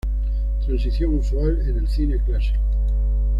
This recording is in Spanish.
Transición usual en el cine clásico.